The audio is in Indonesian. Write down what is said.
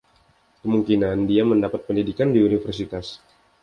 Kemungkinan dia mendapat pendidikan di universitas.